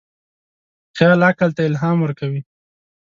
خیال عقل ته الهام ورکوي.